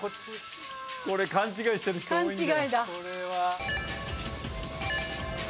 これ勘違いしてる人多いんだよ。